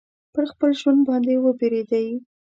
پر خپل ژوند باندي وبېرېدی.